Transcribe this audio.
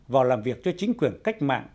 vào làm việc cho chính quyền cách mạng